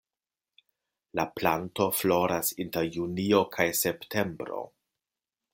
La planto floras inter junio kaj septembro.